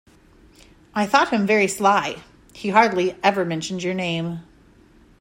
I thought him very sly; — he hardly ever mentioned your name.